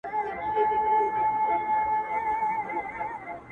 • خوب ته دي راغلی یم شېبه یمه هېرېږمه ,